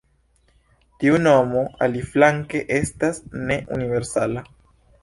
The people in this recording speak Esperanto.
Tiu nomo, aliflanke, estas ne universala.